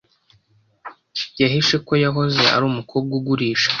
Yahishe ko yahoze ari umukobwa ugurisha